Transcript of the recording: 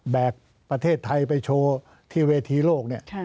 แบกประเทศไทยไปโชว์ที่เวทีโลก